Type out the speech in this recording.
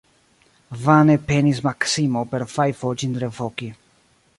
Vane penis Maksimo per fajfo ĝin revoki.